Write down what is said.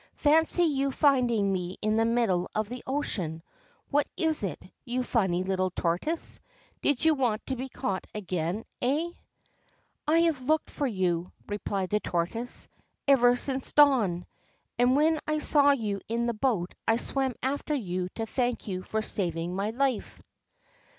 ' Fancy you finding me in the middle of the ocean ! What is it, you funny little tortoise ? Do you want to be caught again, eh ?'' I have looked for you,' replied the tortoise, ' ever since dawn, and when I saw you in the boat I swam after you to thank you for saving my life.'